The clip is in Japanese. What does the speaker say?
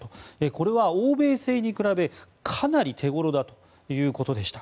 これは欧米製に比べかなり手ごろだということです。